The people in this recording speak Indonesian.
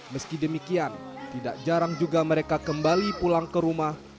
meski demikian tidak jarang juga mereka kembali pulang ke rumah